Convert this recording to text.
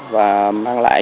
và mang lại